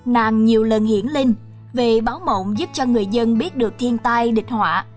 nàng nhiều lần hiển linh về báo mộng giúp cho người dân biết được thiên tai địch họa